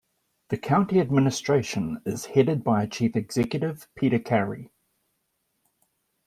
The county administration is headed by a Chief Executive, Peter Carey.